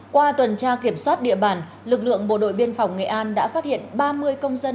qua tuần tra kiểm soát địa bàn lực lượng bộ đội biên phòng nghệ an đã phát hiện ba mươi công dân